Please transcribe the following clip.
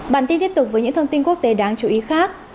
bản tin tiếp tục với những thông tin quốc tế đáng chú ý khác